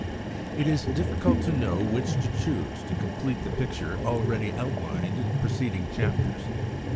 It is difficult to know which to choose to complete the picture already outlined in the preceding chapters.